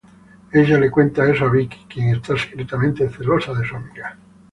Ella le cuenta esto a Vicky, quien está secretamente celosa de su amiga.